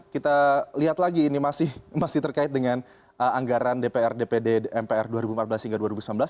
kita lihat lagi ini masih terkait dengan anggaran dpr dpd mpr dua ribu empat belas hingga dua ribu sembilan belas